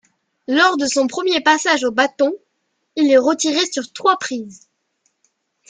Lors de son premier passage au bâton, il est retiré sur trois prises.